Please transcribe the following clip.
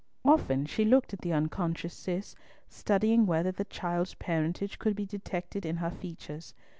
Often she looked at the unconscious Cis, studying whether the child's parentage could be detected in her features.